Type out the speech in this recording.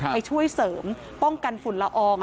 ไปช่วยเสริมป้องกันฝุ่นละออง